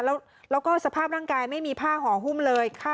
แล้วก็สภาพร่างกายไม่มีผ้าห่อหุ้มเลย